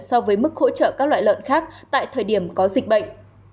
so với mức hỗ trợ các loại lợn khác tại thời điểm có dịch bệnh